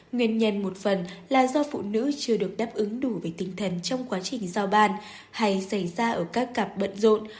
nguyên nhân một phần là do phụ nữ chưa được đáp ứng đủ về tinh thần trong quá trình giao ban hay xảy ra ở các cặp bận rộn